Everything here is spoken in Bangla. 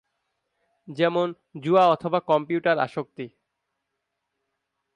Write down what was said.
যেমন- জুয়া অথবা কম্পিউটার আসক্তি।